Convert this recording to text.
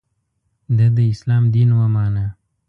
د ه داسلام دین ومانه.